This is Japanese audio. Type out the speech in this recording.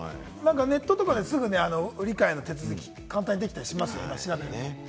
ネットとかですぐ売り買いの手続きが簡単にできたりしますからね。